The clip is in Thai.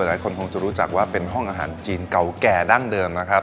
หลายคนคงจะรู้จักว่าเป็นห้องอาหารจีนเก่าแก่ดั้งเดิมนะครับ